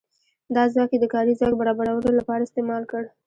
دا ځواک یې د کاري ځواک برابرولو لپاره استعمال کړ.